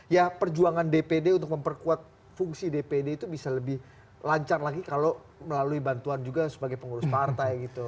ya perjuangan dpd untuk memperkuat fungsi dpd itu bisa lebih lancar lagi kalau melalui bantuan juga sebagai pengurus partai gitu